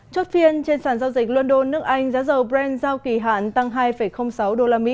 chốt phiên trên sàn giao dịch london nước anh giá dầu brent giao kỳ hạn tăng hai sáu usd